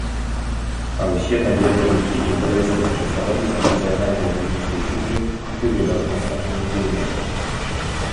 А ўсе наведвальнікі імпрэзы частаваліся нацыянальнай валійскай кухняй ды выдатным глінтвейнам.